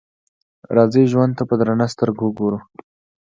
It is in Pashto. راځئ ژوند ته په درنه سترګه وګورو.